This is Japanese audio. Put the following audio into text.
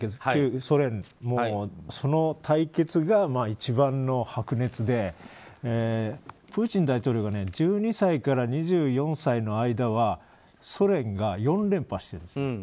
旧ソ連、その対決が一番の白熱でプーチン大統領が１２歳から２４歳の間はソ連が４連覇してるんです。